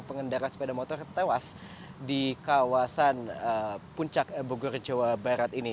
pengendara sepeda motor tewas di kawasan puncak bogor jawa barat ini